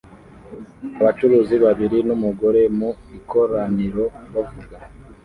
Abacuruzi babiri n’umugore mu ikoraniro bavuga